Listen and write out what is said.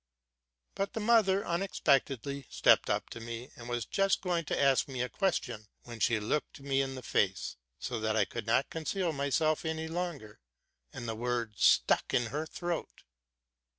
But the mother unexpectedly stepped up to me, and was just going to ask me a question, when she looked me in the face, so that I could not con ceal myself any longer, and the words stuck in her throat.